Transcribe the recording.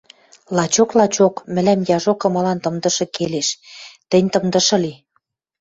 Лачок, лачок... мӹлӓм яжо кымылан тымдышы келеш: тӹнь тымдышы ли...